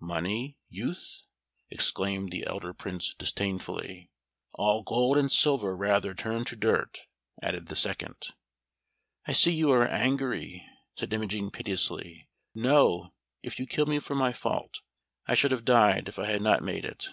"Money, youth?" exclaimed the elder Prince disdainfully. "All gold and silver rather turn to dirt!" added the second. "I see you are angry," said Imogen piteously. "Know, if you kill me for my fault, I should have died if I had not made it."